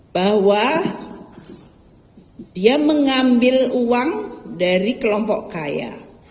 bahwa dia mengambil uang dari kelompok kaya